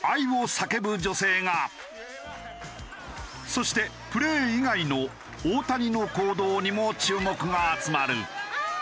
そしてプレー以外の大谷の行動にも注目が集まる。